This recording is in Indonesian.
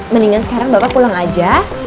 mendingan sekarang bapak pulang aja